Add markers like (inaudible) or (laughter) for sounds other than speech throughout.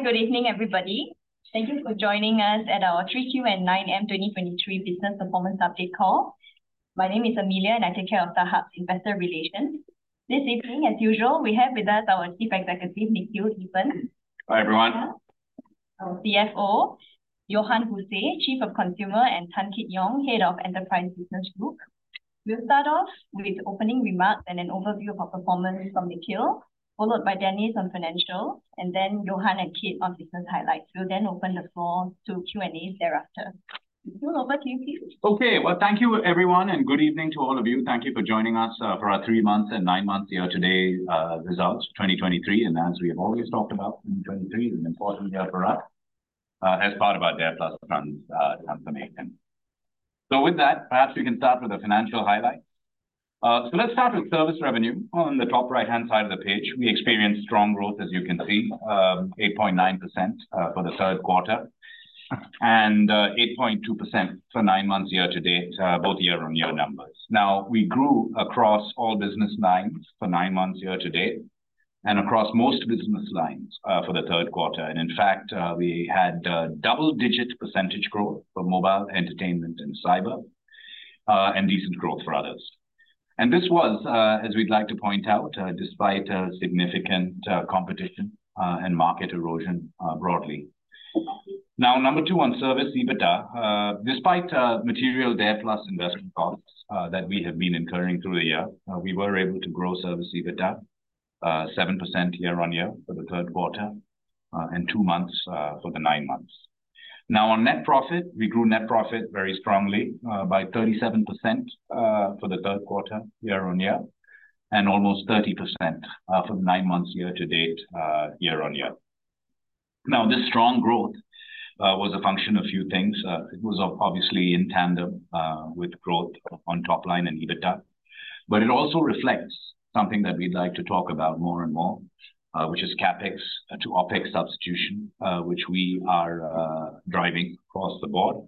Hi, good evening, everybody. Thank you for joining us at our 3Q and 9M 2023 Business Performance Update Call. My name is Amelia. I take care of the hub's investor relations. This evening, as usual, we have with us our Chief Executive, Nikhil Eapen. Hi, everyone. Our CFO, Johan Buse, Chief of Consumer, and Tan Kit Yong, Head of Enterprise Business Group. We'll start off with opening remarks and an overview of our performance from Nikhil, followed by Dennis on financial, and then Johan and Kit on business highlights. We'll open the floor to Q&A thereafter. We go over to you, Nikhil. Well, thank you everyone. Good evening to all of you. Thank you for joining us for our three months and nine month year-to-date results 2023. As we have always talked about, 2023 is an important year for us as part of our DARE+ plans implementation. With that, perhaps we can start with the financial highlights. Let's start with service revenue on the top right-hand side of the page. We experienced strong growth, as you can see, 8.9% for the third quarter and 8.2% for nine months year-to-date, both year-on-year numbers. We grew across all business lines for nine months year-to-date, and across most business lines for the third quarter. In fact, we had double-digit percentage growth for mobile entertainment and cyber, and decent growth for others. This was, as we'd like to point out, despite significant competition and market erosion, broadly. Number two on service EBITDA. Despite material DARE+ investment costs that we have been incurring through the year, we were able to grow service EBITDA 7% year-on-year for the third quarter and two months for the nine months. On net profit, we grew net profit very strongly by 37% for the third quarter year-on-year and almost 30% for the nine months year-to-date year-on-year. This strong growth was a function of few things. It was obviously in tandem with growth on top line and EBITDA, but it also reflects something that we'd like to talk about more and more, which is CapEx to OpEx substitution, which we are driving across the board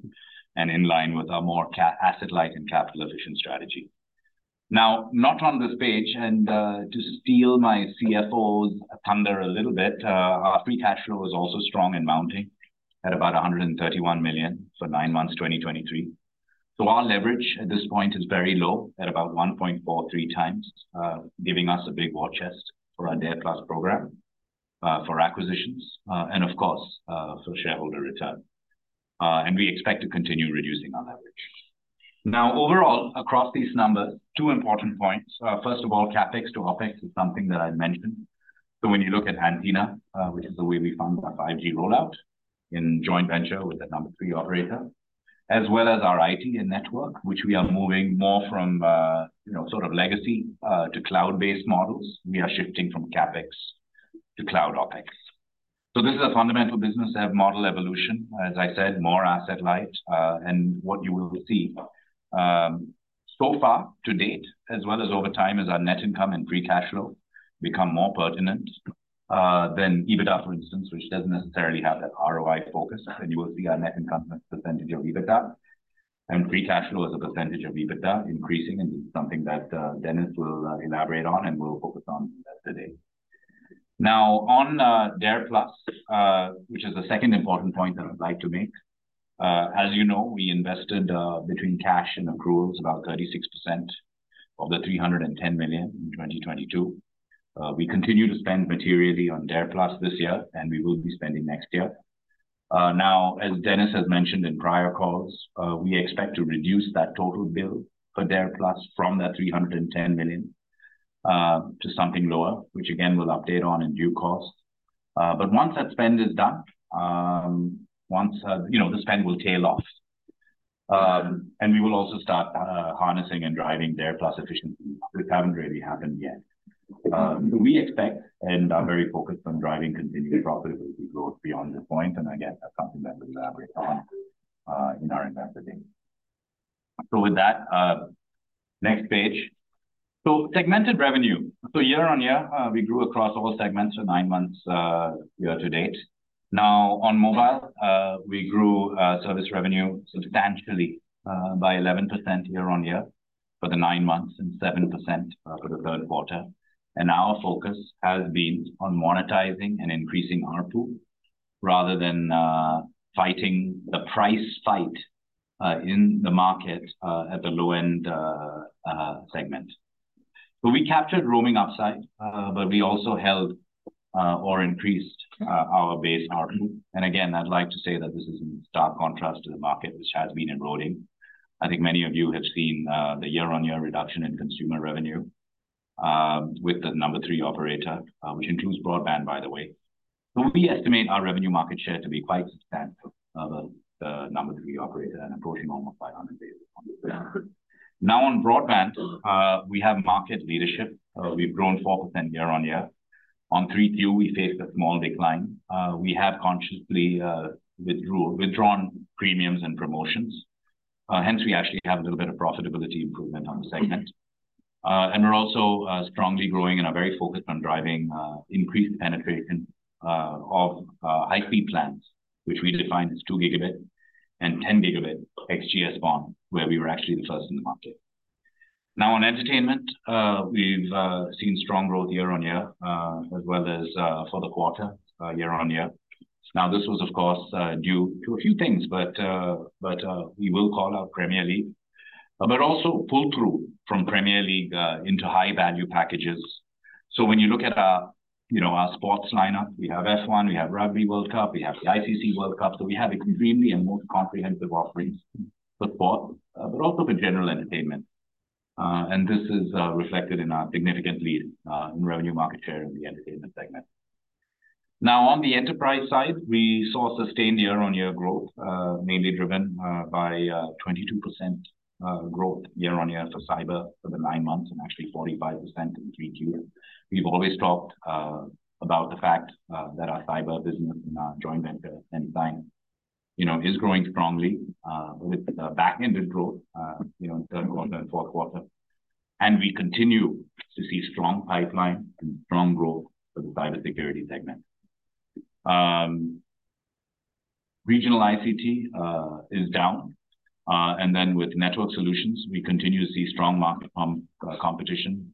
and in line with our more asset light and capital efficient strategy. Not on this page, and to steal my CFO's thunder a little bit, our free cash flow is also strong and mounting at about 131 million for nine months 2023. Our leverage at this point is very low at about 1.43x, giving us a big war chest for our DARE+ program, for acquisitions, and of course, for shareholder return. We expect to continue reducing our leverage. Overall, across these numbers, two important points. First of all, CapEx to OpEx is something that I mentioned. When you look at Antina, which is the way we fund our 5G rollout in joint venture with a number three operator, as well as our IT and network, which we are moving more from, you know, sort of legacy, to cloud-based models. We are shifting from CapEx to cloud OpEx. This is a fundamental business to have model evolution, as I said, more asset light. And what you will receive, so far to date as well as over time, is our net income and free cash flow become more pertinent, than EBITDA, for instance, which doesn't necessarily have that ROI focus. You will see our net income as a percentage of EBITDA, and free cash flow as a percentage of EBITDA increasing, and this is something that Dennis will elaborate on and we'll focus on today. On DARE+, which is the second important point that I'd like to make. As you know, we invested, between cash and accruals, about 36% of the 310 million in 2023. We continue to spend materially on DARE+ this year, and we will be spending next year. As Dennis has mentioned in prior calls, we expect to reduce that total bill for DARE+ from that 310 million, to something lower, which again, we'll update on in due course. Once that spend is done, once, you know, the spend will tail off. We will also start harnessing and driving DARE+ efficiencies, which haven't really happened yet. We expect and are very focused on driving continued profitability growth beyond this point, again, that's something that we'll elaborate on in our Investor Day. With that, next page. Segmented revenue. Year-on-year, we grew across all segments for nine months year-to-date. On mobile, we grew service revenue substantially by 11% year-on-year for the nine months and 7% for the third quarter. Our focus has been on monetizing and increasing ARPU rather than fighting the price fight in the market at the low-end segment. We captured roaming upside, but we also held or increased our base ARPU. Again, I'd like to say that this is in stark contrast to the market, which has been eroding. I think many of you have seen the year-over-year reduction in consumer revenue with the number three operator, which includes broadband, by the way. We estimate our revenue market share to be quite substantial of the number three operator and approaching almost 500 basis points. On broadband, we have market leadership. We've grown 4% year-over-year. On 3Q, we faced a small decline. We have consciously withdrawn premiums and promotions. Hence, we actually have a little bit of profitability improvement on the segment. We're also strongly growing and are very focused on driving increased penetration of high-speed plans, which we define as 2 Gb and 10 Gb XGS-PON, where we were actually the first in the market. On entertainment, we've seen strong growth year-on-year, as well as for the quarter, year-on-year. This was of course due to a few things. We will call our Premier League, but also pull through from Premier League into high value packages. When you look at, you know, our sports lineup, we have F1, we have Rugby World Cup, we have the ICC World Cup. We have extremely and most comprehensive offerings for sport, but also for general entertainment. This is reflected in our significant lead in revenue market share in the entertainment segment. On the enterprise side, we saw sustained year-on-year growth, mainly driven by 22% growth year-on-year for cyber for the nine months and actually 45% in Q3. We've always talked about the fact that our cyber business and our joint venture Ensign, you know, is growing strongly with back-ended growth, you know, in third quarter and fourth quarter. We continue to see strong pipeline and strong growth for the cybersecurity segment. Regional ICT is down. With network solutions, we continue to see strong market competition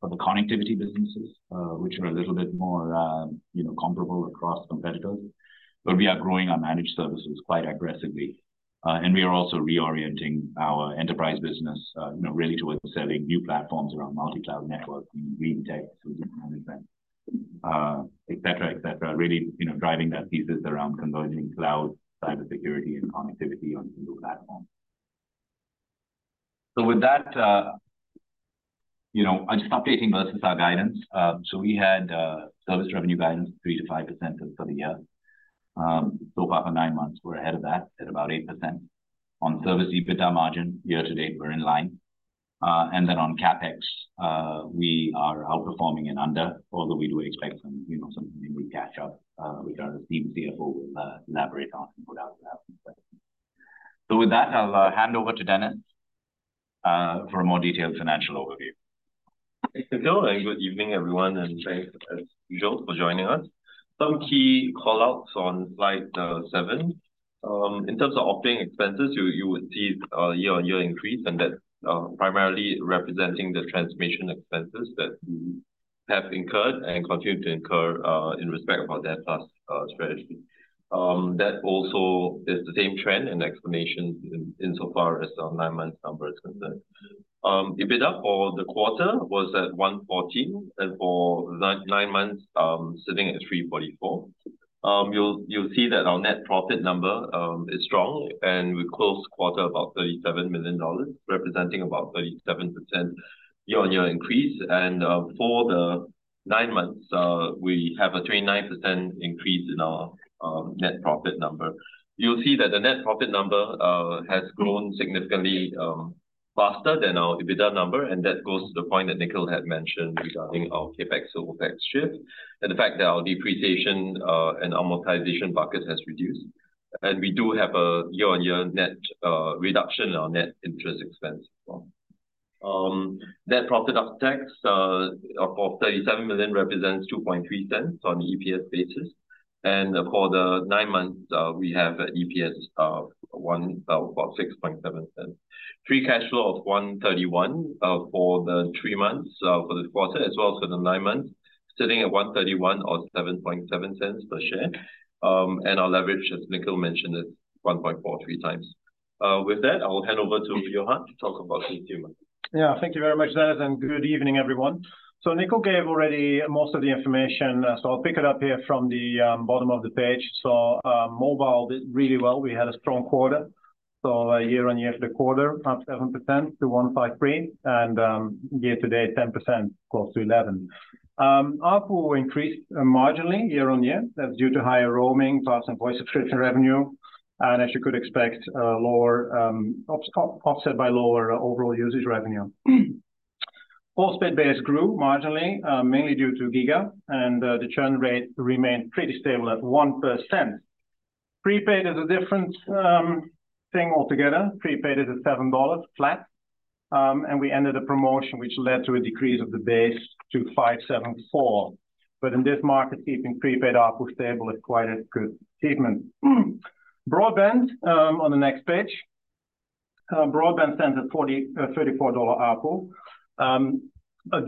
for the connectivity businesses, which are a little bit more, you know, comparable across competitors. We are growing our managed services quite aggressively. We are also reorienting our enterprise business, you know, really towards selling new platforms around multi-cloud networks, Green Tech Managed Services, et cetera, et cetera. Really, you know, driving that thesis around converging cloud, cybersecurity and connectivity on single platform. With that, you know, just updating versus our guidance. We had service revenue guidance 3%-5% for the year. For nine months, we're ahead of that at about 8%. On service EBITDA margin, year-to-date we're in line. On CapEx, we are outperforming and under, although we do expect some, you know, something we catch up, regarding the team CFO will elaborate on and put out to have. With that, I'll hand over to Dennis for a more detailed financial overview. Thank you, Nikhil, good evening everyone, and thank as usual for joining us. Some key call outs on slide seven. In terms of operating expenses, you would see a year-over-year increase and that primarily representing the transformation expenses that we have incurred and continue to incur in respect of our DARE+ strategy. That also is the same trend and explanation insofar as our nine month number is concerned. EBITDA for the quarter was at 114 and for nine months sitting at 344. You'll see that our net profit number is strong, we closed quarter about 37 million dollars, representing about 37% year-over-year increase. For the nine months, we have a 29% increase in our net profit number. You'll see that the net profit number has grown significantly faster than our EBITDA number, and that goes to the point that Nikhil had mentioned regarding our CapEx, OpEx shift and the fact that our depreciation and amortization bucket has reduced. We do have a year-on-year net reduction in our net interest expense. Net profit after tax of 37 million represents 2.3 on the EPS basis. For the nine months, we have EPS of about 1.67. Free cash flow of 131 for the three months, for the quarter as well as for the nine months, sitting at 131 or 7.7 per share. Our leverage, as Nikhil mentioned, is 1.43x. With that, I will hand over to Johan to talk about consumer. Thank you very much, Dennis, and good evening, everyone. Nikhil gave already most of the information, so I'll pick it up here from the bottom of the page. Mobile did really well. We had a strong quarter, year-on-year for the quarter, up 7% to 153, and year-to-date, 10% close to 11%. ARPU increased marginally year-on-year. That's due to higher roaming, VAS and voice subscription revenue, and as you could expect, lower, offset by lower overall usage revenue. Postpaid base grew marginally, mainly due to giga!, and the churn rate remained pretty stable at 1%. Prepaid is a different thing altogether. Prepaid is at 7 dollars flat. We ended a promotion which led to a decrease of the base to 574. In this market, keeping prepaid ARPU stable is quite a good achievement. Broadband, on the next page. Broadband stands at 40 dollar, SGD 34 ARPU.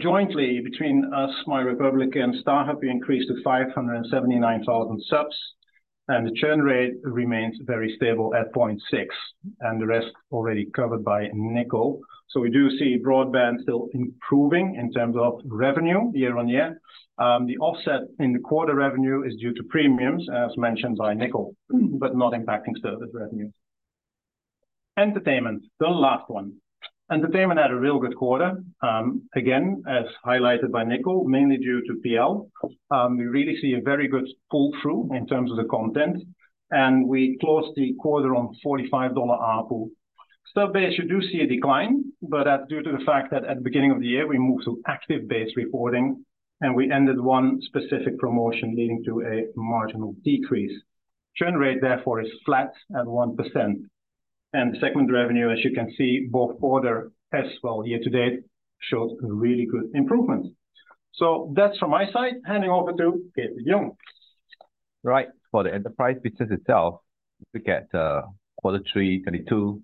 Jointly between us, MyRepublic and StarHub increased to 579,000 subs, and the churn rate remains very stable at 0.6, and the rest already covered by Nikhil. We do see broadband still improving in terms of revenue year-on-year. The offset in the quarter revenue is due to premiums, as mentioned by Nikhil, but not impacting service revenues. Entertainment, the last one. Entertainment had a real good quarter, again, as highlighted by Nikhil, mainly due to PL. We really see a very good pull through in terms of the content, and we closed the quarter on 45 dollar ARPU. Sub-base you do see a decline, but that's due to the fact that at the beginning of the year we moved to active base reporting, and we ended one specific promotion leading to a marginal decrease. Churn rate, therefore, is flat at 1%. Segment revenue, as you can see, both quarter as well year-to-date showed really good improvement. That's from my side. Handing over to Kit Yong. Right, for the enterprise business itself, look at Q3 2022,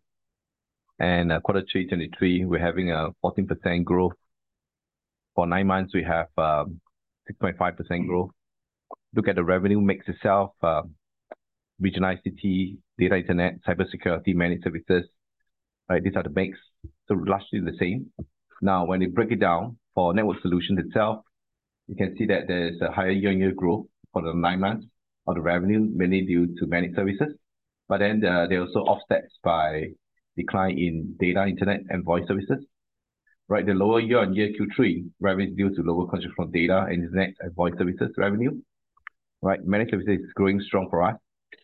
and Q3 2023, we're having a 14% growth. For nine months we have 6.5% growth. Look at the revenue mix itself, regional ICT, data internet, cybersecurity, managed services. These are the bands, so largely the same. Now, when we break it down, for network solution itself you can see that there's a higher year-on-year growth for the nine months of the revenue mainly due to managed services, they're also offset by decline in data internet and voice services. The lower year-on-year Q3 revenue is due to lower contribution from data, internet, and voice services revenue. Managed services is growing strong for us.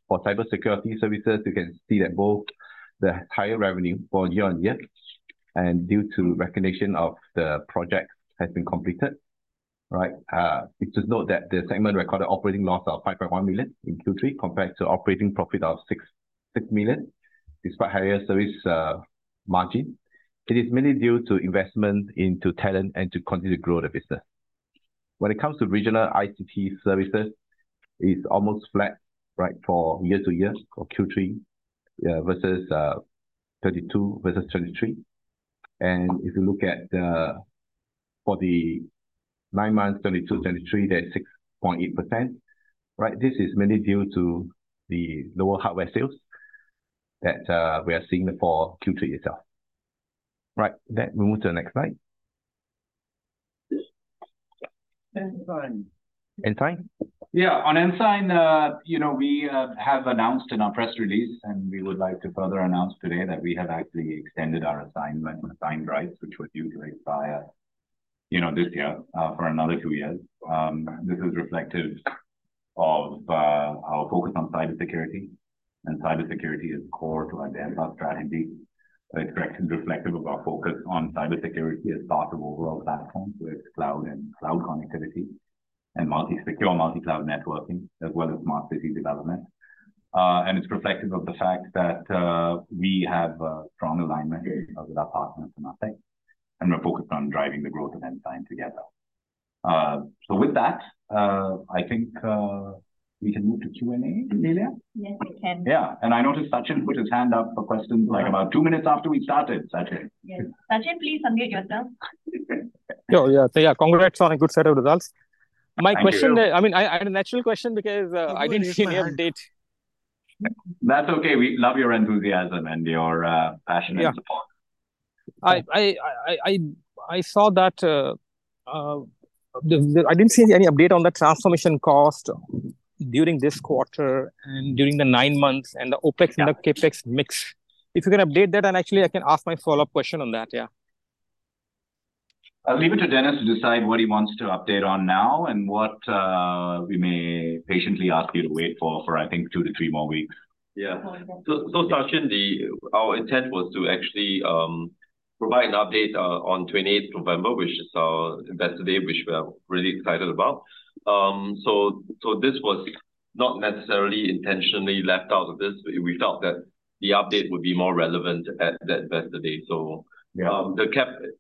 For cybersecurity services, you can see that both the higher revenue for year-on-year, and due to recognition of the project has been completed. Please note that the segment recorded operating loss of 5.1 million in Q3 compared to operating profit of 6 million, despite higher service margin. It is mainly due to investment into talent and to continue to grow the business. When it comes to regional ICT services, it's almost flat, right, for year-to-year, for Q3, versus 2022 versus 2023. If you look at the for the nine months 2022, 2023, that's 6.8%, right? This is mainly due to the lower hardware sales that we are seeing for Q3 itself. Right. Move to the next slide. Ensign. Ensign? Yeah, on Ensign, you know, we have announced in our press release, and we would like to further announce today that we have actually extended our assignment, assigned rights, which was due to expire, you know, this year, for another two years. This is reflective of our focus on cybersecurity, and cybersecurity is core to our DARE+ strategy, right? It's actually reflective of our focus on cybersecurity as part of overall platform with cloud and cloud connectivity and multi-secure, multi-cloud networking, as well as market city development. It's reflective of the fact that we have a strong alignment with our partners in that space, and we're focused on driving the growth of Ensign together. With that, I think we can move to Q&A, Amelia? Yes, we can. Yeah, I noticed Sachin put his hand up for questions like about two minutes after we started, Sachin. Yes, Sachin, please unmute yourself. Oh, yeah. Yeah, congrats on a good set of results. Thank you. My question, I mean, I had a natural question because, I didn't see any update. That's okay, we love your enthusiasm and your passion and support. Yeah, I saw that I didn't see any update on the transformation cost during this quarter and during the nine months. Yeah. The CapEx mix. If you can update that. Actually I can ask my follow-up question on that, yeah. I'll leave it to Dennis to decide what he wants to update on now and what we may patiently ask you to wait for I think two to three more weeks. Yeah, Sachin, our intent was to actually provide an update on 28th November, which is our Investor Day, which we are really excited about. This was not necessarily intentionally left out of this; we felt that the update would be more relevant at that Investor Day. Yeah,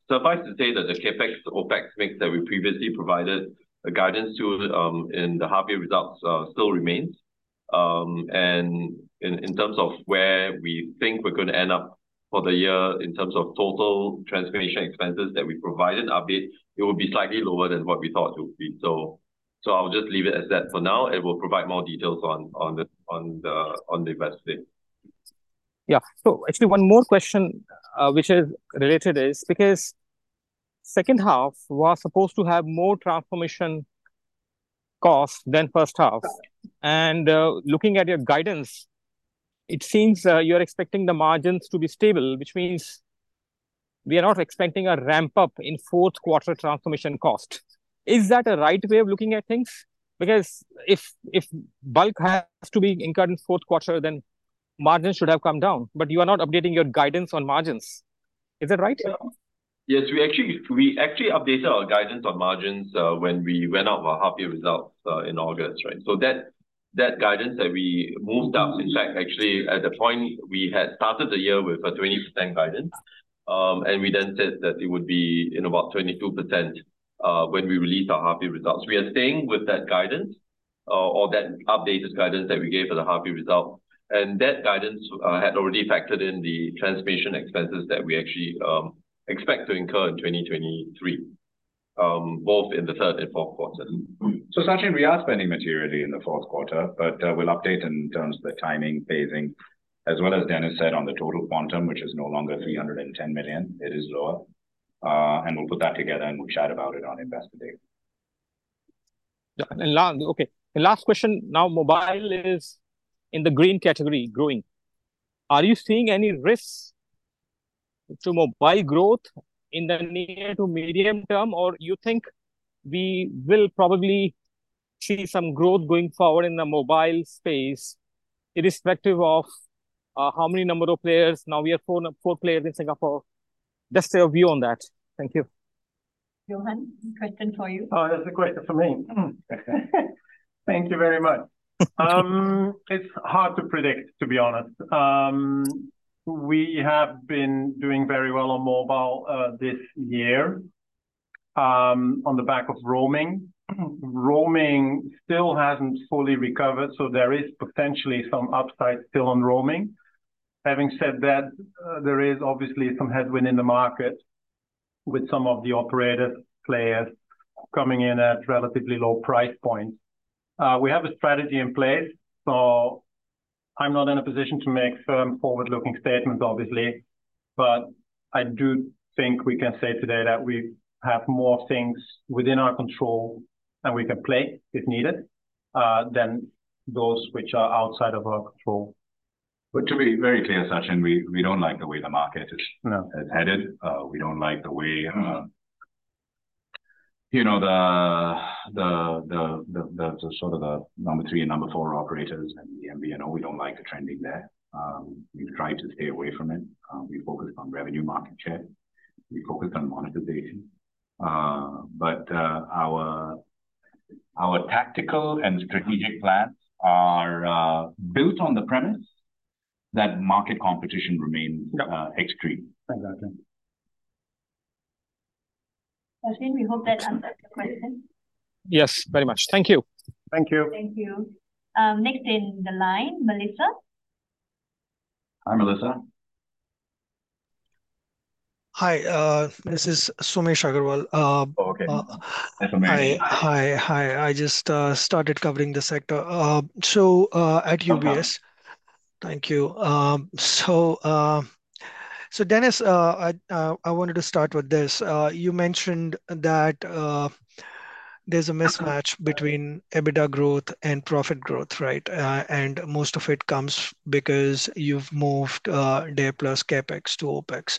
suffice to say that the CapEx/OpEx mix that we previously provided a guidance to, in the half-year results, still remains. In terms of where we think we're gonna end up for the year in terms of total transformation expenses that we provided update; it would be slightly lower than what we thought it would be. I'll just leave it as that for now, and we'll provide more details on the Investor Day. Yeah, actually one more question, which is related is because second half was supposed to have more transformation cost than first half. Looking at your guidance, it seems you're expecting the margins to be stable, which means we are not expecting a ramp up in fourth quarter transformation cost. Is that a right way of looking at things? If bulk has to be incurred in fourth quarter, then margins should have come down, but you are not updating your guidance on margins. Is that right at all? Yes, we actually updated our guidance on margins when we went out with our half-year results in August, right? That guidance that we moved up, in fact actually at the point we had started the year with a 20% guidance, and we then said that it would be in about 22% when we released our half-year results. We are staying with that guidance, or that updated guidance that we gave for the half-year results, and that guidance had already factored in the transformation expenses that we actually expect to incur in 2023, both in the third and fourth quarters. Sachin, we are spending materially in the fourth quarter, we'll update in terms of the timing, phasing, as well as Dennis said on the total quantum, which is no longer 310 million. It is lower. We'll put that together and we'll chat about it on Investor Day. Yeah, okay, and last question. Now mobile is in the green category, growing. Are you seeing any risks to mobile growth in the near to medium term, or you think we will probably see some growth going forward in the mobile space irrespective of how many number of players? Now we have four players in Singapore. Just your view on that. Thank you. Johan, question for you. Oh, there's a question for me. Thank you very much. It's hard to predict, to be honest. We have been doing very well on mobile this year. On the back of roaming. Roaming still hasn't fully recovered. There is potentially some upside still on roaming. Having said that, there is obviously some headwind in the market with some of the operator players coming in at relatively low-price points. We have a strategy in place, so I'm not in a position to make firm forward-looking statements, obviously. I do think we can say today that we have more things within our control that we can play if needed, than those which are outside of our control. To be very clear, Sachin, we don't like the way the market is- No.... is headed. We don't like the way, you know, the, the, the sort of number three and number four operators and the MVNO, we don't like the trending there. We've tried to stay away from it. We've focused on revenue market share. We've focused on monetization. Our tactical and strategic plans are built on the premise that market competition remains- Yep.... extreme. Exactly. Sachin, we hope that answers your question. Yes, very much. Thank you. Thank you. Thank you. Next in the line, Melissa. Hi, Melissa. Hi, this is Somesh Agarwal. Oh, okay. Uh- Hi, Sumesh.... hi. Hi, I just started covering the sector at UBS. Welcome. Thank you, Dennis, I wanted to start with this. You mentioned that there's a mismatch between EBITDA growth and profit growth, right? Most of it comes because you've moved DARE+ CapEx to OpEx.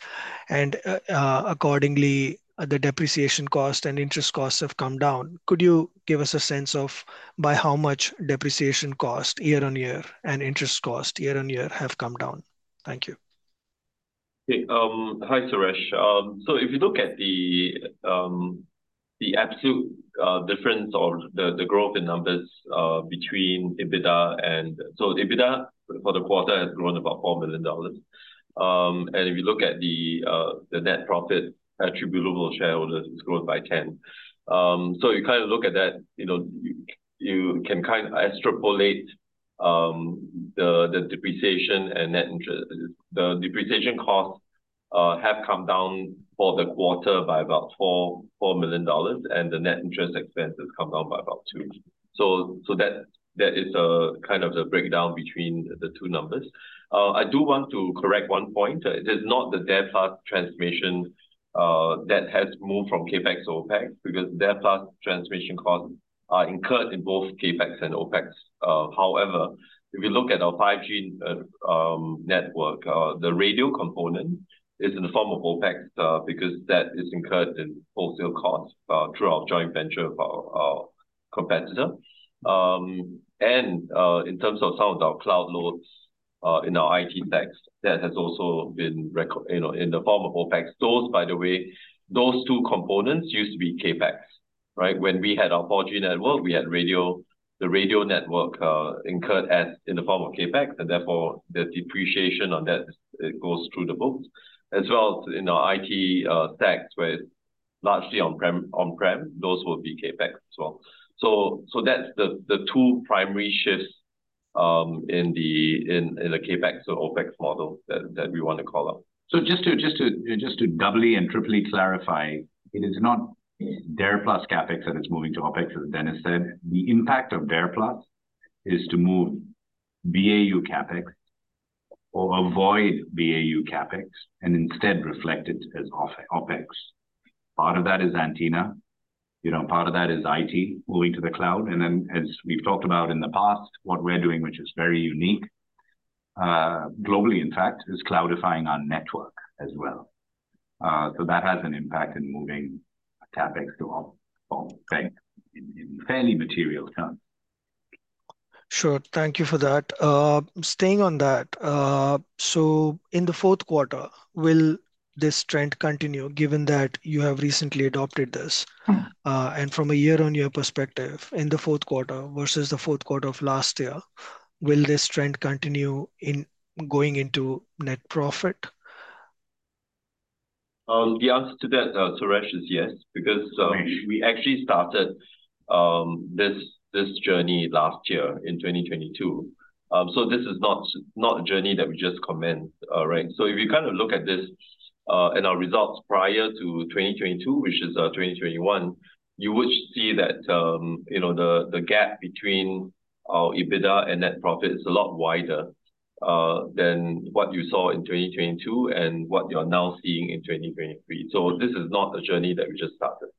Accordingly, the depreciation cost and interest costs have come down. Could you give us a sense of by how much depreciation cost year-on-year, and interest cost year-on-year have come down? Thank you. Okay, hi, Somesh. If you look at the absolute difference or the growth in numbers. EBITDA for the quarter has grown about 4 million dollars. If you look at the net profit attributable to shareholders, it's grown by 10. You kind of look at that, you know, you can kind of extrapolate the depreciation and net interest. The depreciation costs have come down for the quarter by about 4 million dollars, and the net interest expense has come down by about 2. That is kind of the breakdown between the two numbers. I do want to correct one point. It is not the DARE+ transformation that has moved from CapEx to OpEx, because DARE+ transformation costs are incurred in both CapEx and OpEx. However, if you look at our 5G network, the radio component is in the form of OpEx, because that is incurred in wholesale costs, through our joint venture of our competitor. In terms of some of our cloud loads, in our IT stacks, that has also been, you know, in the form of OpEx. Those, by the way, those two components used to be CapEx, right? When we had our 4G network, we had the radio network incurred as in the form of CapEx, and therefore the depreciation on that, it goes through the books. As well as in our IT stacks, where it's largely on-prem, those will be CapEx as well. That's the two primary shifts in the CapEx or OpEx model that we wanna call out. Just to doubly and triply clarify, it is not DARE+ CapEx that is moving to OpEx, as Dennis said. The impact of DARE+ is to move BAU CapEx or avoid BAU CapEx and instead reflect it as OpEx. Part of that is Antina. You know, part of that is IT moving to the cloud. As we've talked about in the past, what we're doing, which is very unique, globally, in fact, is cloudifying our network as well. That has an impact in moving CapEx to OpEx in fairly material terms. Sure, thank you for that. Staying on that, in the fourth quarter, will this trend continue given that you have recently adopted this? Mm-hmm. From a year-on-year perspective, in the fourth quarter versus the fourth quarter of last year, will this trend continue in going into net profit? The answer to that, Somesh, is yes. We actually started this journey last year in 2022. This is not a journey that we just commenced, right? If you kind of look at this and our results prior to 2022, which is 2021, you would see that, you know, the gap between our EBITDA and net profit is a lot wider than what you saw in 2022 and what you're now seeing in 2023. This is not a journey that we just started.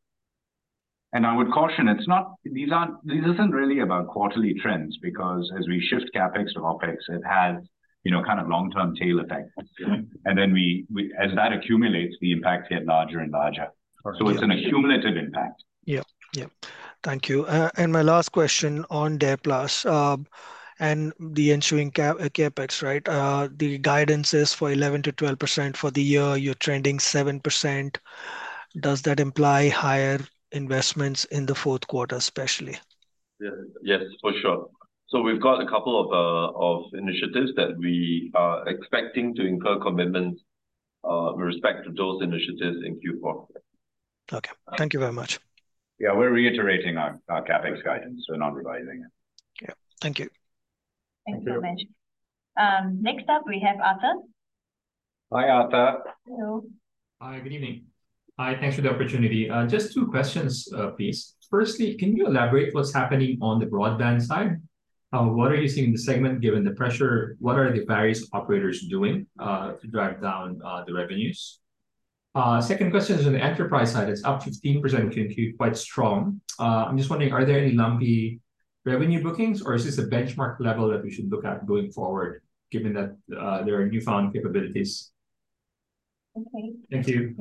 I would caution, it's not, these aren't, this isn't really about quarterly trends because as we shift CapEx to OpEx, it has, you know, kind of long-term tail effect. Mm-hmm. We, as that accumulates, the impact get larger and larger. It's an accumulative impact. Yeah, yeah. Thank you, my last question on DARE+, and the ensuing CapEx, right? The guidance is for 11%-12% for the year. You're trending 7%. Does that imply higher investments in the fourth quarter especially? Yes, for sure. We've got a couple of initiatives that we are expecting to incur commitments with respect to those initiatives in Q4. Okay, thank you very much. Yeah, we're reiterating our CapEx guidance, so not revising it. Yeah, thank you. Thank you very much. Thank you. Next up we have Arthur. Hi, Arthur. Hello. Hi, good evening. Hi, thanks for the opportunity. Just two questions, please. Firstly, can you elaborate what's happening on the broadband side? What are you seeing in the segment given the pressure? What are the various operators doing to drive down the revenues? Second question is on the enterprise side. It's up 15% QoQ, quite strong. I'm just wondering, are there any lumpy revenue bookings or is this a benchmark level that we should look at going forward given that there are newfound capabilities? Okay. Thank you.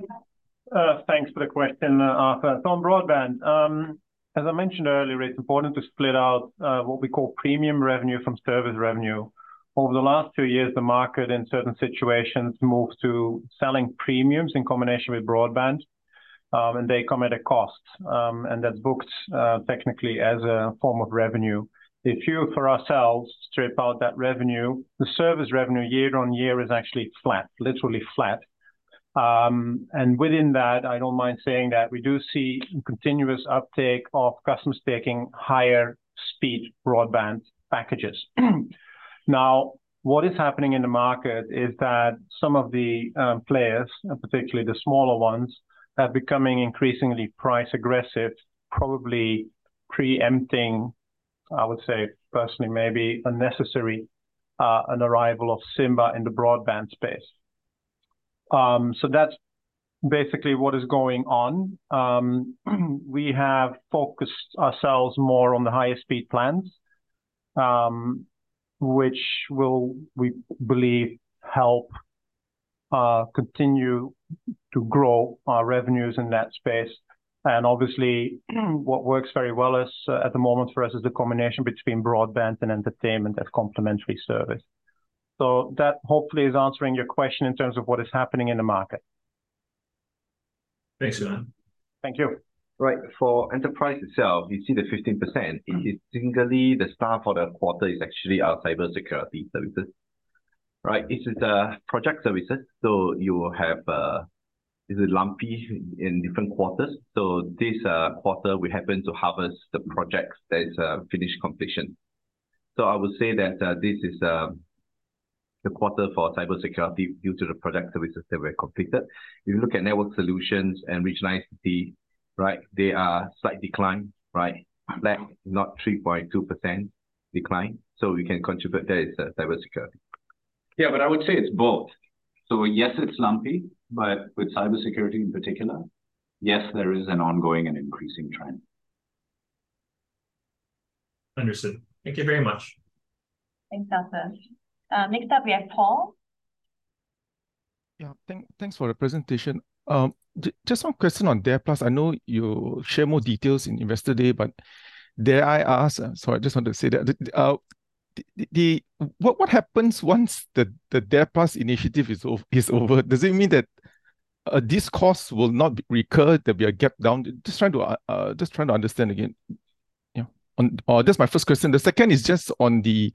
Thanks for the question, Arthur. On broadband, as I mentioned earlier, it's important to split out what we call premium revenue from service revenue. Over the last two years the market in certain situations moved to selling premiums in combination with broadband, and they come at a cost. That's booked technically as a form of revenue. If you for ourselves strip out that revenue, the service revenue year-on-year is actually flat, literally flat. Within that I don't mind saying that we do see continuous uptake of customers taking higher speed broadband packages. Now, what is happening in the market is that some of the players, and particularly the smaller ones, are becoming increasingly price aggressive, probably preempting, I would say personally, maybe unnecessary, an arrival of SIMBA in the broadband space. That's basically what is going on. We have focused ourselves more on the higher speed plans, which will, we believe help, continue to grow our revenues in that space and obviously what works very well as, at the moment for us is the combination between broadband and entertainment as complimentary service. That hopefully is answering your question in terms of what is happening in the market. Thanks, man. Thank you. Right, for enterprise itself you see the 15%. It is typically the star for the quarter is actually our cybersecurity services, right? This is project services, so you will have, is it lumpy in different quarters. This quarter we happen to harvest the projects that is finished completion. I would say that this is the quarter for cybersecurity due to the product services that were completed. If you look at network solutions and regional ICT, right, they are slight decline, right? Like not 3.2% decline, we can contribute that is cybersecurity. Yeah, I would say it's both. Yes, it's lumpy but with cybersecurity in particular, yes, there is an ongoing and increasing trend. Understood, thank you very much. Thanks, Arthur. Next up we have Paul. Thanks for the presentation. Just one question on DARE+. I know you share more details in Investor Day, dare I ask. What happens once the DARE+ initiative is over? Does it mean that these costs will not recur? There'll be a gap down. Just trying to understand again. That's my first question. The second is just on the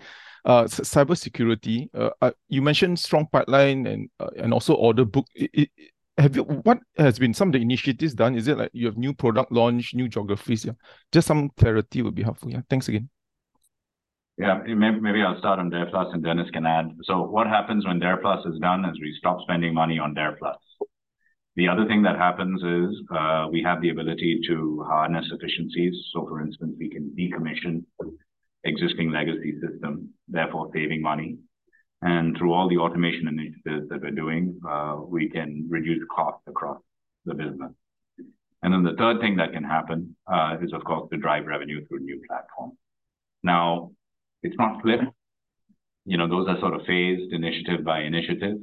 cybersecurity. You mentioned strong pipeline and also order book. What has been some of the initiatives done? Is it like you have new product launch, new geographies? Just some clarity would be helpful. Thanks again. Maybe I'll start on DARE+ and Dennis can add. What happens when DARE+ is done is we stop spending money on DARE+. The other thing that happens is we have the ability to harness efficiencies. For instance we can decommission existing legacy system, therefore saving money and through all the automation initiatives that we're doing, we can reduce costs across the business. The third thing that can happen is of course to drive revenue through a new platform. Now it's not clear. You know, those are sort of phased initiative by initiative.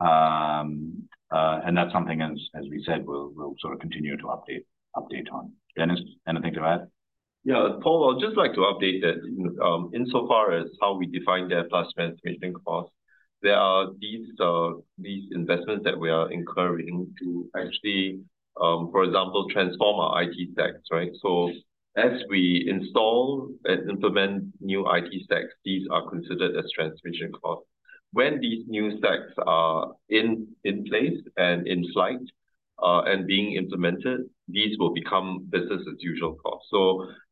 And that's something as we said we'll sort of continue to update on. Dennis, anything to add? Yeah, Paul, I would just like to update that, you know, insofar as how we define DARE+ transformation costs, there are these investments that we are incurring to actually, for example, transform our IT stacks, right? As we install and implement new IT stacks these are considered as transformation costs. When these new stacks are in place and in flight, and being implemented these will become business as usual costs.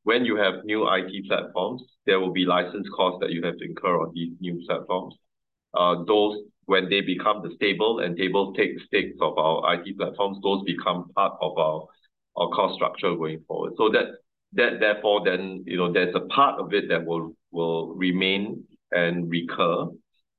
When you have new IT platforms there will be license costs that you have to incur on these new platforms. Those, when they become the stable and able take the stakes of our IT platforms, those become part of our cost structure going forward. That therefore then, you know, there's a part of it that will remain and recur.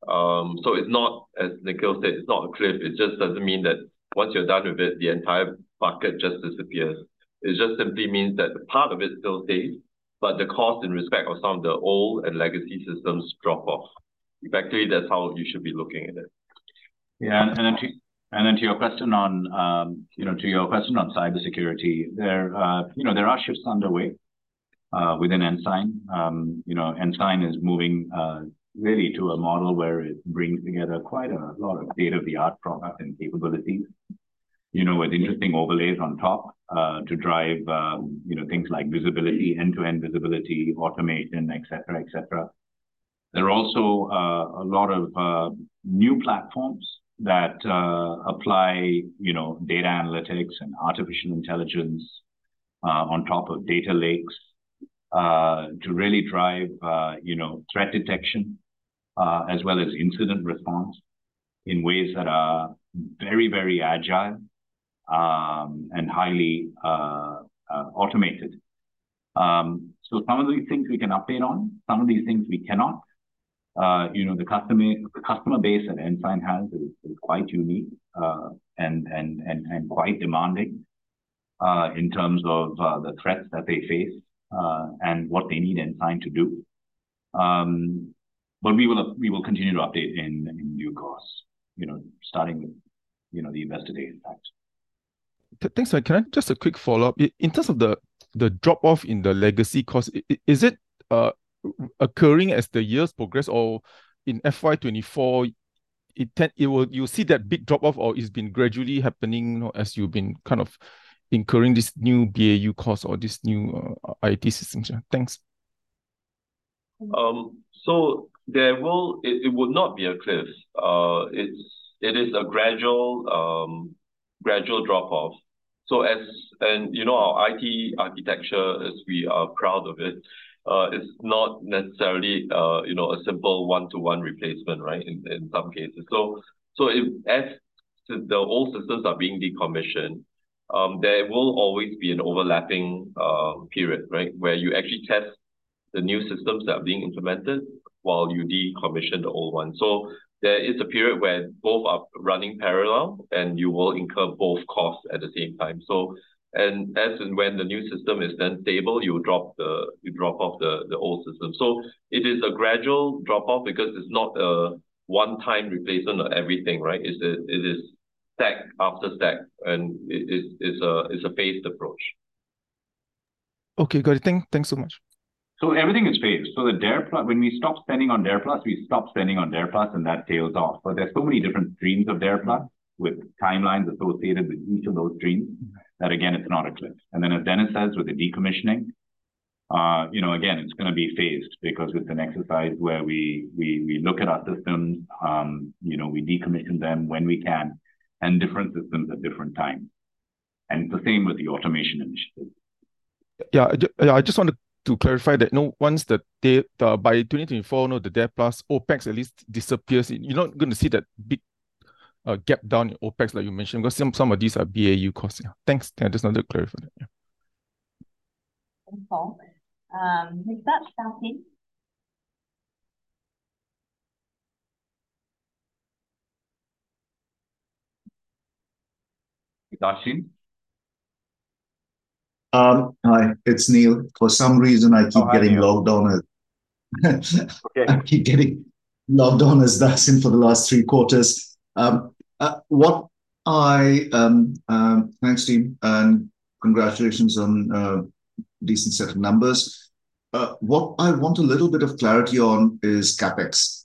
It's not, as Nikhil said, it's not a cliff. It just doesn't mean that once you're done with it the entire bucket just disappears. It just simply means that the part of it still stays but the cost in respect of some of the old and legacy systems drop off. Effectively that's how you should be looking at it. Then to your question on cybersecurity there are shifts underway within Ensign. Ensign is moving really to a model where it brings together quite a lot of state-of-the-art product and capabilities. With interesting overlays on top to drive things like visibility, end-to-end visibility, automation, et cetera, et cetera. There are also a lot of new platforms that apply data analytics and artificial intelligence on top of data lakes to really drive threat detection as well as incident response in ways that are very, very agile and highly automated. Some of these things we can update on, some of these things we cannot. You know, the customer base that Ensign has is quite unique, and quite demanding, in terms of the threats that they face, and what they need Ensign to do. We will continue to update in due course, you know, starting with, you know, the investigative impact. Thanks, just a quick follow-up. In terms of the drop-off in the legacy cost, is it occurring as the years progress? In FY 2024, it will. You'll see that big drop-off, or it's been gradually happening, you know, as you've been kind of incurring this new BAU cost or this new IT system? Yeah. Thanks. It would not be a cliff. It is a gradual drop-off. You know, our IT architecture as we are proud of it, is not necessarily, you know, a simple one-to-one replacement right in some cases. If as the old systems are being decommissioned, there will always be an overlapping period, right, where you actually test the new systems that are being implemented while you decommission the old one. There is a period where both are running parallel, and you will incur both costs at the same time. As and when the new system is then stable, you drop off the old system. It is a gradual drop-off because it's not a one-time replacement of everything, right? It is stack after stack and it is, it's a phased approach. Okay, got it. Thanks so much. Everything is phased. The DARE+, we stop spending on DARE+, and that tails off. There's so many different streams of DARE+ with timelines associated with each of those streams that, again, it's not a cliff. As Dennis says with the decommissioning, you know, again, it's going to be phased because it's an exercise where we look at our systems, you know, we decommission them when we can, and different systems at different times. It's the same with the automation initiative. Yeah, yeah, I just wanted to clarify that, you know, once by 2024, you know, the DARE+ OpEx at least disappears. You're not gonna see that big gap down in OpEx like you mentioned because some of these are BAU costs. Yeah. Thanks. Yeah, I just wanted to clarify that. Yeah. Thank you. Next up, Darshan. Darshan? Hi, it's Neel. Oh, hi Neel. I keep getting logged on as. It's okay. I keep getting logged on as Darshan for the last three quarters. Thanks, team, and congratulations on a decent set of numbers. What I want a little bit of clarity on is CapEx.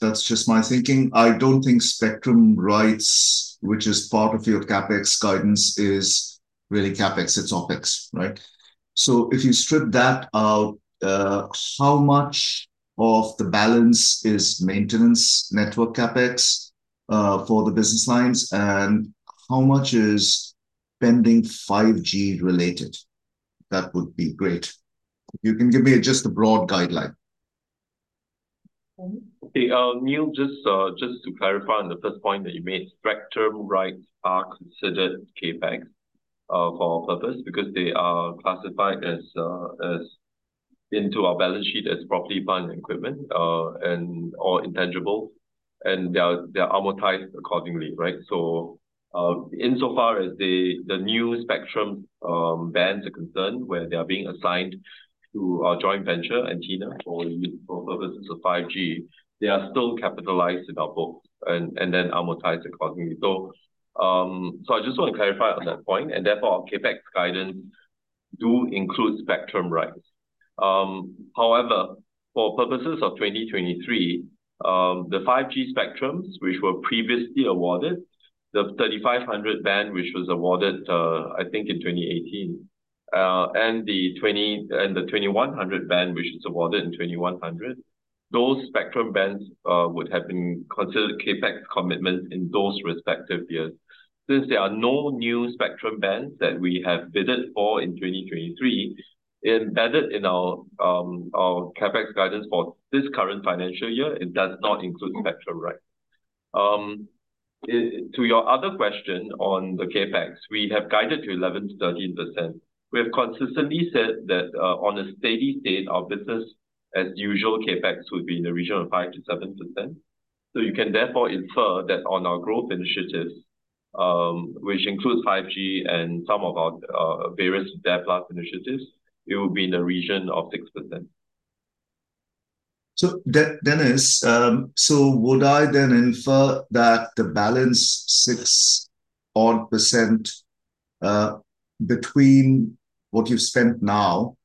That's just my thinking. I don't think spectrum rights, which is part of your CapEx guidance, is really CapEx. It's OpEx, right? If you strip that out, how much of the balance is maintenance, network CapEx, for the business lines, and how much is pending 5G related? That would be great. You can give me just a broad guideline. Dennis? Neel, just to clarify on the first point that you made, spectrum rights are considered CapEx for our purpose because they are classified as into our balance sheet as property, plant and equipment, and, or intangibles, and they are amortized accordingly, right? Insofar as the new spectrum bands are concerned, where they are being assigned to our joint venture, Antina, for purposes of 5G, they are still capitalized in our books and then amortized accordingly. I just want to clarify on that point, and therefore our CapEx guidance do include spectrum rights. However, for purposes of 2023, the 5G spectrums, which were previously awarded, the 3500 band, which was awarded, I think in 2018, and the 2100 band, which was awarded in 2100, those spectrum bands would have been considered CapEx commitments in those respective years. Since there are no new spectrum bands that we have bidded for in 2023, embedded in our CapEx guidance for this current financial year, it does not include spectrum rights. To your other question on the CapEx, we have guided to 11%-13%. We have consistently said that, on a steady state, our business as usual CapEx would be in the region of 5%-7%. You can therefore infer that on our growth initiatives, which includes 5G and some of our various DARE+ initiatives, it would be in the region of 6%. Dennis, would I then infer that the balance 6% odd, between what you've spent now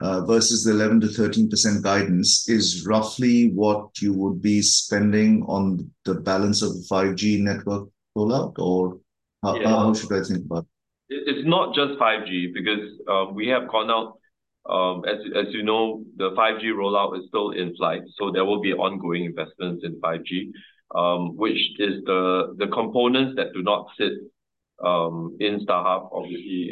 versus the 11%-13% guidance is roughly what you would be spending on the balance of 5G network rollout? Yeah. How much should I think about? It's not just 5G because we have gone out as you know, the 5G rollout is still in flight, so there will be ongoing investments in 5G, which is the components that do not sit in StarHub obviously,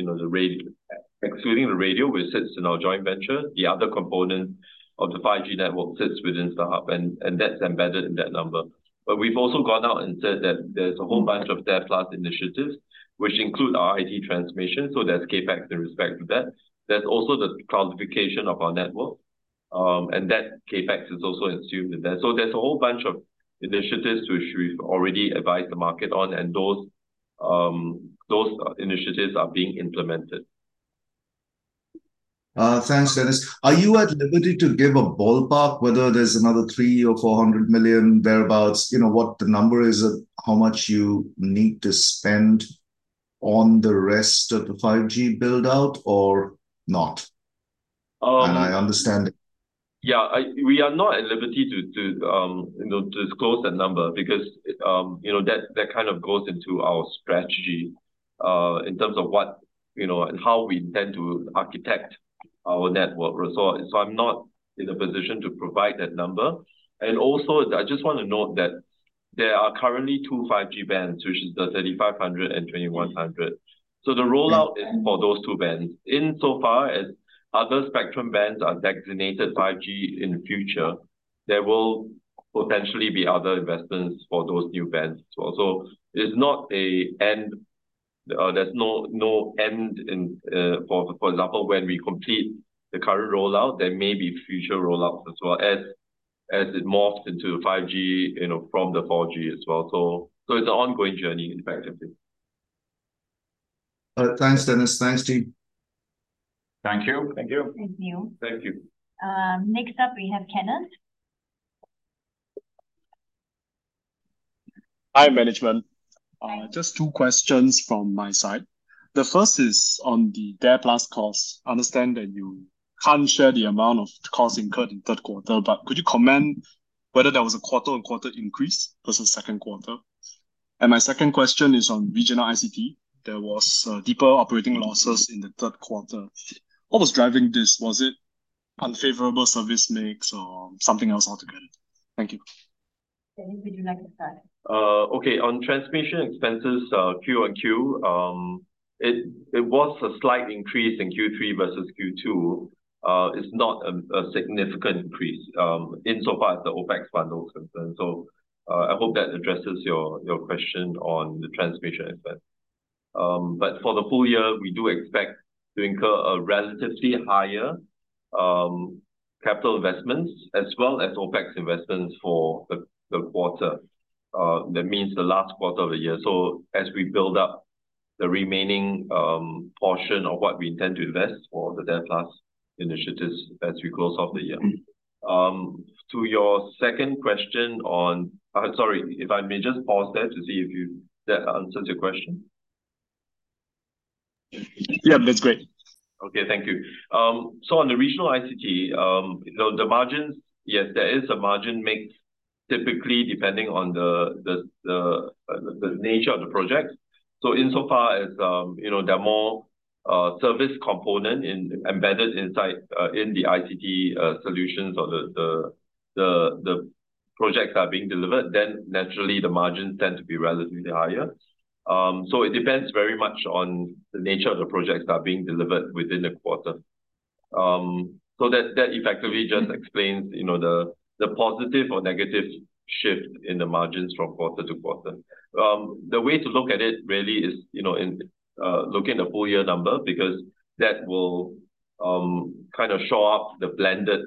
excluding the radio which sits in our joint venture. The other component of the 5G network sits within StarHub and that's embedded in that number. We've also gone out and said that there's a whole bunch of DARE+ initiatives which include our IT transformation, so there's CapEx in respect to that. There's also the cloudification of our network, and that CapEx is also assumed in there. There's a whole bunch of initiatives which we've already advised the market on, and those initiatives are being implemented. Thanks, Dennis. Are you at liberty to give a ballpark whether there's another 300 million or 400 million whereabouts, you know, what the number is of how much you need to spend on the rest of the 5G build-out or not? Um. I understand. We are not at liberty to, you know, disclose that number because, you know, that kind of goes into our strategy, in terms of what, you know, and how we intend to architect our network. I'm not in a position to provide that number, and also I just want to note that there are currently two 5G bands, which is the 3500 and 2100. Yeah. The rollout is for those two bands. Insofar as other spectrum bands are designated 5G in the future, there will potentially be other investments for those new bands as well. It is not a end, there's no end in. For example, when we complete the current rollout, there may be future rollouts as well as it morphs into 5G, you know, from the 4G as well. It's an ongoing journey effectively. Thanks, Dennis. Thanks, team. Thank you. Thank you. Thank you. Thank you. Next up we have Kenneth. Hi, management. Just two questions from my side. The first is on the DARE+ costs. Understand that you can't share the amount of costs incurred in third quarter, but could you comment whether that was a quarter-on-quarter increase versus second quarter? My second question is on regional ICT. There was deeper operating losses in the third quarter. What was driving this? Was it unfavorable service mix or something else altogether? Thank you. Dennis, would you like to start? On transformation expenses, QoQ, it was a slight increase in Q3 versus Q2. It's not a significant increase insofar as the OpEx fund was concerned. I hope that addresses your question on the transformation expense. For the full-year, we do expect to incur a relatively higher capital investments as well as OpEx investments for the quarter. That means the last quarter of the year. As we build up the remaining portion of what we intend to invest for the DARE+ initiatives as we close off the year. Sorry, if I may just pause there to see if that answers your question. Yeah, that's great. Okay, thank you. On the regional ICT, you know, the margins, yes, there is a margin mix typically depending on the nature of the project. Insofar as, you know, there are more service component embedded inside in the ICT solutions or the projects are being delivered, then naturally the margins tend to be relatively higher. It depends very much on the nature of the projects that are being delivered within the quarter. That effectively just explains, you know, the positive or negative shift in the margins from quarter-to-quarter. The way to look at it really is, you know, in looking at the full-year number because that will kind of show up the blended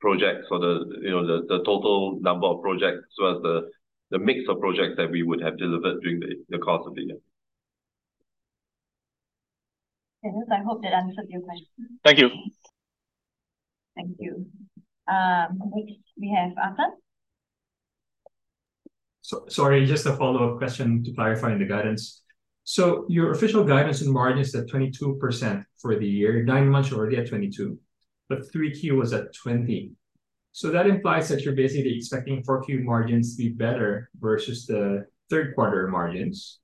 projects or the, you know, the total number of projects as well as the mix of projects that we would have delivered during the course of the year. Dennis, I hope that answered your question? Thank you. Thank you, next we have Arthur. Sorry, just a follow-up question to clarify the guidance. Your official guidance in margin is at 22% for the year, nine months already at 22%. 3Q was at 20%. That implies that you're basically expecting 4Q margins to be better versus the third quarter margins.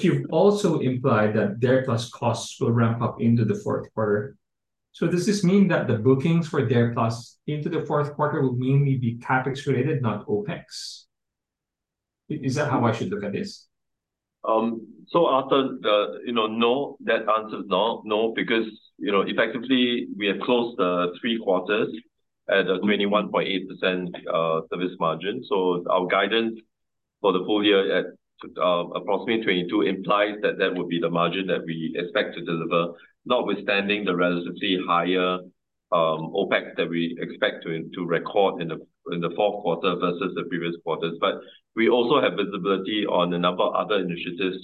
You've also implied that DARE+ costs will ramp up into the fourth quarter. Does this mean that the bookings for DARE+ into the fourth quarter will mainly be CapEx related, not OpEx? Is that how I should look at this? Arthur, you know, no. That answers no. No, because, you know, effectively we have closed the three quarters at a 21.8% service margin. Our guidance for the full-year at approximately 22% implies that that would be the margin that we expect to deliver, notwithstanding the relatively higher OpEx that we expect to record in the fourth quarter versus the previous quarters. We also have visibility on a number of other initiatives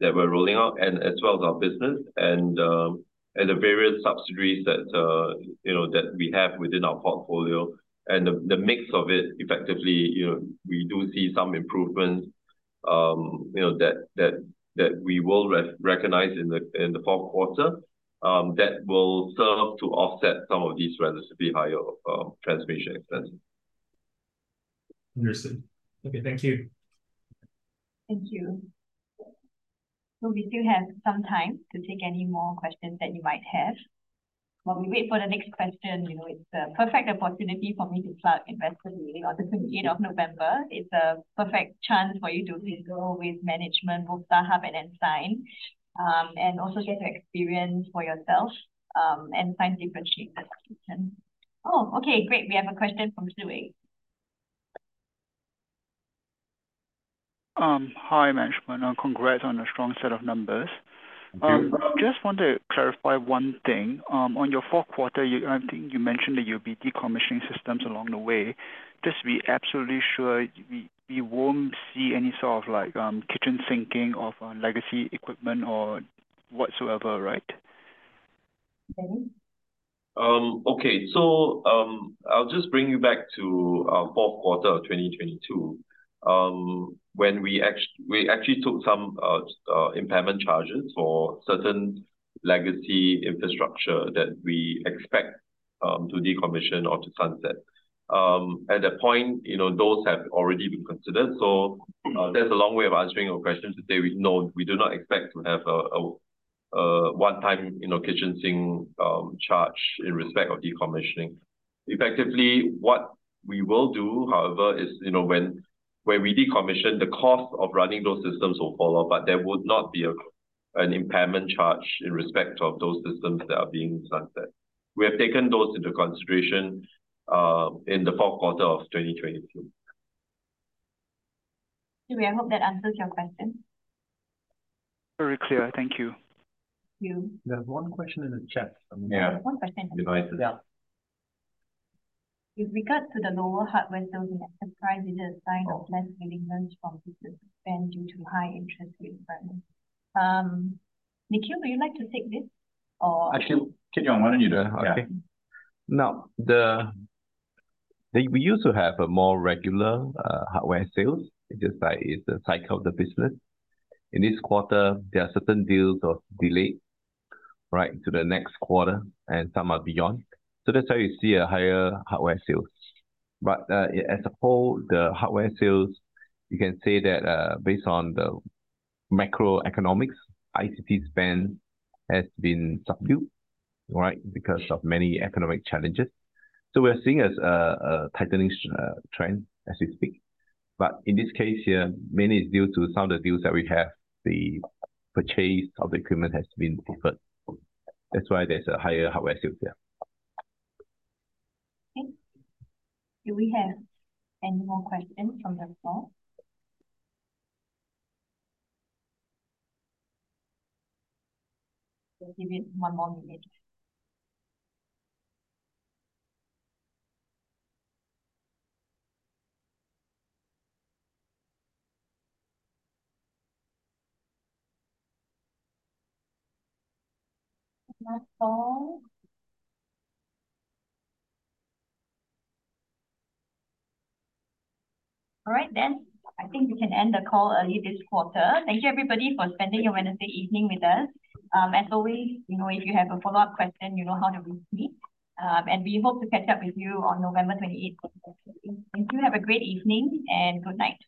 that we're rolling out and as well as our business and the various subsidiaries that, you know, that we have within our portfolio. The mix of it effectively, you know, we do see some improvements, you know, that we will recognize in the fourth quarter, that will serve to offset some of these relatively higher transformation expenses. Understood, okay thank you. Thank you, we still have some time to take any more questions that you might have. While we wait for the next question, you know, it's a perfect opportunity for me to plug Investor Day 28th of November. It's a perfect chance for you to please go with management, both StarHub and Ensign, and also get to experience for yourself. Oh, okay, great. We have a question from Zhiwei. Hi Management, and congrats on a strong set of numbers. Just want to clarify one thing. On your fourth quarter, you mentioned that you'll be decommissioning systems along the way. Just to be absolutely sure, we won't see any sort of like kitchen sinking of legacy equipment or whatsoever, right? Dennis? I'll just bring you back to fourth quarter of 2022, when we actually took some impairment charges for certain legacy infrastructure that we expect to decommission or to sunset. At that point, you know, those have already been considered. That's a long way of answering your question today. No, we do not expect to have a one-time, you know, kitchen sink charge in respect of decommissioning. Effectively, what we will do, however, is, you know, when we decommission, the cost of running those systems will follow, but there would not be an impairment charge in respect of those systems that are being sunset. We have taken those into consideration in the fourth quarter of 2022. Zhiwei, I hope that answers your question. Very clear. Thank you. Thank you. There's one question in the chat from- Yeah. One question in the chat.... devices. Yeah. With regards to the lower hardware sales we enterprise is a sign of less willingness from business spend due to high interest rate environment. Nikhil, would you like to take this? Actually, Kit Yong, why don't you do that? Okay, we used to have a more regular hardware sales. It's just like it's the cycle of the business. In this quarter, there are certain deals got delayed right into the next quarter, and some are beyond. That's why you see a higher hardware sales. As a whole, the hardware sales, you can say that, based on the macroeconomics, ICT spend has been subdued, right? Because of many economic challenges. We're seeing as a tightening trend as we speak. In this case here, mainly it's due to some of the deals that we have. The purchase of the equipment has been deferred. That's why there's a higher hardware sale here. Thanks, do we have any more questions from the floor? We'll give it one more minute. Last call. All right. I think we can end the call early this quarter. Thank you everybody for spending your Wednesday evening with us. As always, you know, if you have a follow-up question, you know how to reach me. We hope to catch up with you on November 28th for 2023. Do have a great evening and good night.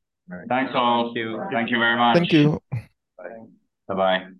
(crosstalk)